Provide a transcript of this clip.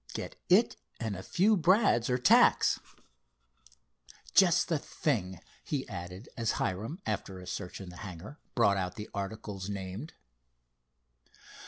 Get it, and a few brads, or tacks. Just the thing," he added, as Hiram, after a search in the hangar, brought out the articles named.